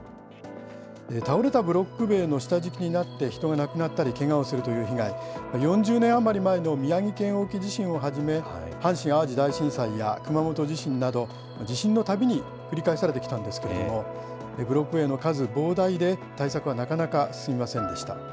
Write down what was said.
倒れたブロック塀の下敷きになって人が亡くなったり、けがをするという被害、４０年余り前の宮城県沖地震をはじめ、阪神・淡路大震災や、熊本地震など、地震のたびに繰り返されてきたんですけれども、ブロック塀の数、膨大で対策はなかなか進みませんでした。